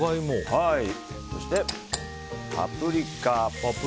そしてパプリカ